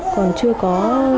còn chưa có